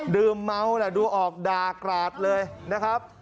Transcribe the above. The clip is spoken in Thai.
ดื่มเมาแหละดูออกด่ากราดเลยนะครับ